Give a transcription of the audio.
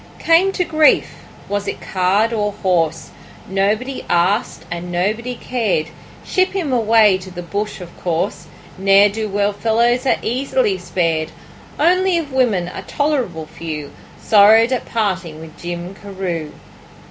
Came to grief was it card or horse? Nobody asked and nobody cared; Ship him away to the bush of course, Ne'er do well fellows are easily spared; Only of women a tolerable few Sorrowed at parting with Jim Carew.